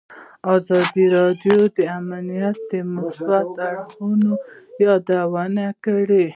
ازادي راډیو د امنیت د مثبتو اړخونو یادونه کړې.